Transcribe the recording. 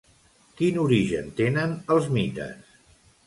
Quin origen tenen els mites?